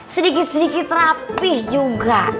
sedikit sedikit rapih juga